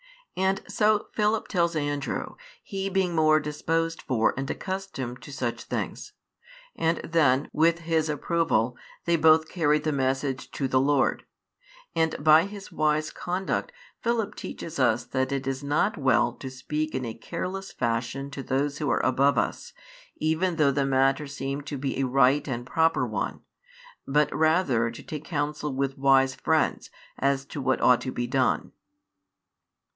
And so Philip tells Andrew, he being more disposed for and accustomed to such things; and then, with his approval, they both carry the message to the Lord. And by his wise conduct Philip teaches us that it is not well to speak in a careless fashion to those who are above us, even though the matter seem to be a right and proper one, but rather |146 to take counsel with wise friends as to what ought to be done.